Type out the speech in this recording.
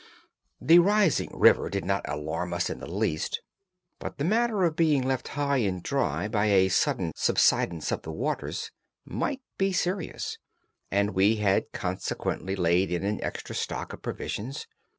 The rising river did not alarm us in the least, but the matter of being left high and dry by a sudden subsidence of the waters might be serious, and we had consequently laid in an extra stock of provisions.